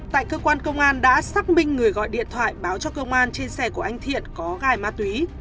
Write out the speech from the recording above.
tại cơ quan công an đã xác minh người gọi điện thoại báo cho công an trên xe của anh thiện có gài ma túy